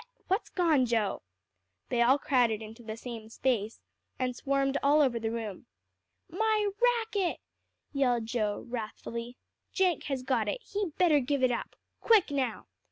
What's gone, Joe?" They all crowded into the small space, and swarmed all over the room. "My racket," yelled Joel wrathfully. "Jenk has got it; he better give it up. Quick now."